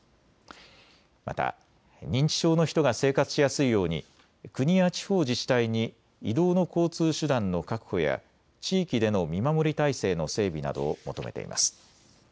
また認知症の人が生活しやすいように国や地方自治体に移動の交通手段の確保や地域での見守り体制の整備などを求めています。